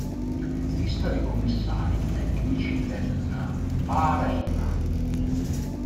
Lista dei commissari tecnici del Bahrein.